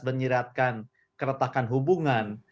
menyiratkan keretakan hubungan